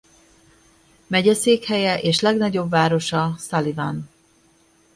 Megyeszékhelye és legnagyobb városa Sullivan.